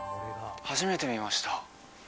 初めて見ました